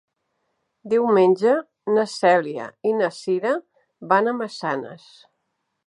Diumenge na Cèlia i na Cira van a Massanes.